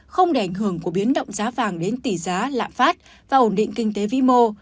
không để ảnh hưởng của biến động giá vàng đến tỷ giá lạm phát và ổn định kinh tế vĩ mô